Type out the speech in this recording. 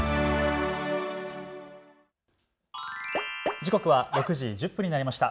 時刻は６時１０分になりました。